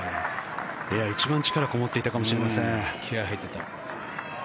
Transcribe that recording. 一番力がこもってたかもしれません。